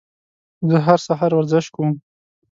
زه هر سهار ورزش کوم.